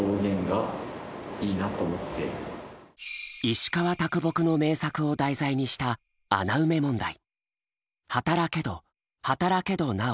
石川啄木の名作を題材にした穴埋め問題。